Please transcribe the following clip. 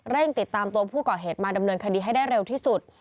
ติดตามตัวผู้ก่อเหตุมาดำเนินคดีให้ได้เร็วที่สุด